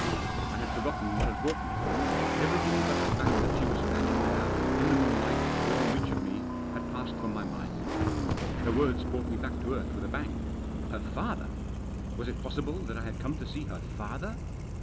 I had forgotten what had brought me. Everything but the fact that she was standing there, in the moon light, within reach of me, had passed from my mind. Her words brought me back to earth with a bang. Her father ? Was it possible that I had come to see her father?